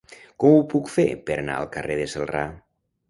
Com ho puc fer per anar al carrer de Celrà?